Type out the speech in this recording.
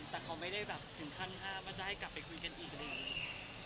แต่เขาไม่ได้ถึงขั้นข้ามจะให้กลับไปคุยกันอีกหรืออะไร